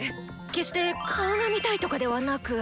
決して顔が見たいとかではなく！